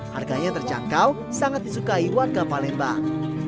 harganya terjangkau sangat disukai warga palembang